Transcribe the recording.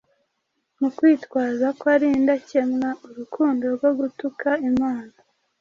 Mu kwitwaza ko ari indakemwa Urukundo rwo gutuka Imana